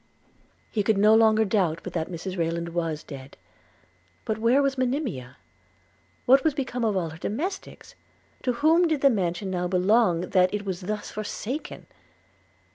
He could no longer doubt but that Mrs Rayland was dead – But where was Monimia? what was become of all her domestics? to whom did the mansion now belong, that it was thus forsaken?